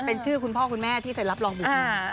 เป็นชื่อคุณพ่อคุณแม่ที่เซ็นรับรองบุตรมา